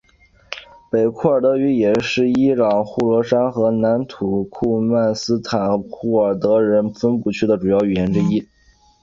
北库尔德语也是伊朗呼罗珊和南土库曼斯坦库尔德人分布区的主要语言之一。